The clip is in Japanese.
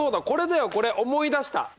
これだよこれ思い出した。